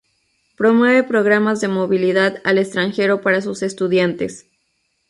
Promueve programas de movilidad al extranjero para sus estudiantes.